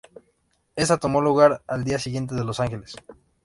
Esta tomó lugar al día siguiente en Los Ángeles.